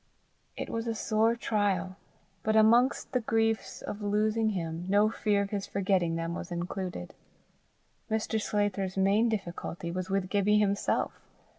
It was a sore trial, but amongst the griefs of losing him, no fear of his forgetting them was included. Mr. Sclater's main difficulty was with Gibbie himself.